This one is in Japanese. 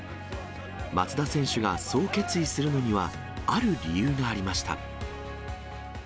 松田選手がそう決意するのには、ある理由がありました。